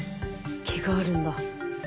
毛があるんだ。